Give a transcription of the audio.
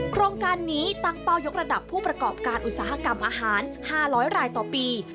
โครงการนี้ตั้งเป้ายกระดับผู้ประกอบการอุตสาหกรรมอาหาร๕๐๐รายต่อปี